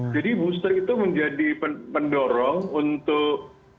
jadi booster itu menjadi pendorong untuk